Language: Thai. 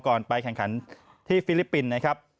ไปแข่งขันที่ฟิลิปปินส์นะครับ